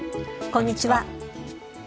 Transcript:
こんにちは。